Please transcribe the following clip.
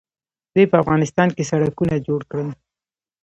دوی په افغانستان کې سړکونه جوړ کړل.